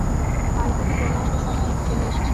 বাড়ি থেকে চলে আসবার সময় এইটি ফেলে এসেছিল।